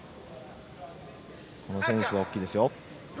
この選手は大きいですよ。